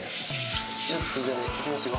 ちょっとじゃあいきますよ